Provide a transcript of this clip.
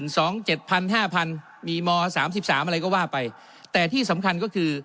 สองเจ็ดพันห้าพันมีมสามสิบสามอะไรก็ว่าไปแต่ที่สำคัญก็คือ